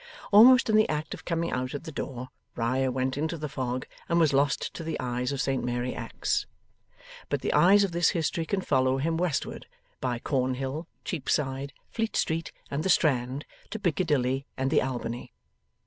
Almost in the act of coming out at the door, Riah went into the fog, and was lost to the eyes of Saint Mary Axe. But the eyes of this history can follow him westward, by Cornhill, Cheapside, Fleet Street, and the Strand, to Piccadilly and the Albany.